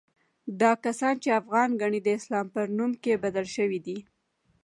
دا کسان چې افغان ګڼي، د اسلام پر نوم کې بدل شوي دي.